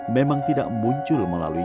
memang tidak muncul melalui